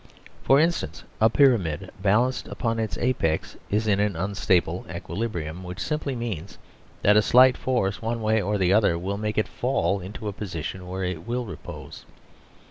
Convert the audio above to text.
For instance, a pyramid balanced upon its apex is in unstable equilibrium ; which simply means that a slight force one way or the other will make it fall into a position where it will repose.